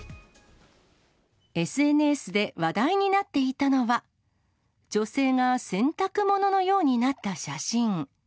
ＳＮＳで話題になっていたのは、女性が洗濯物のようになった写真。